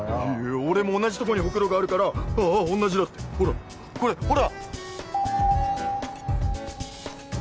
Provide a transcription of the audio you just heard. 俺も同じとこにホクロがあるからああおんなじだってほらこれほら！